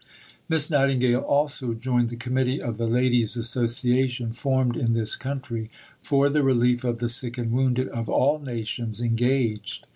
Miss Nightingale also joined the Committee of the "Ladies' Association" formed in this country "for the Relief of the Sick and Wounded of all nations engaged."